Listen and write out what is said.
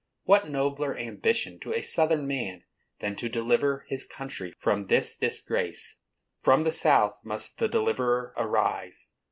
What nobler ambition to a Southern man than to deliver his country from this disgrace? From the South must the deliverer arise.